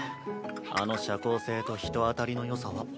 あの社交性と人当たりのよさは。